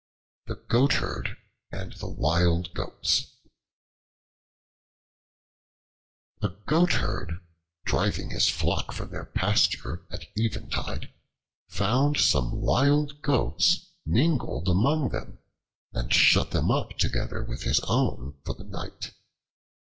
The Goatherd and the Wild Goats A GOATHERD, driving his flock from their pasture at eventide, found some Wild Goats mingled among them, and shut them up together with his own for the night.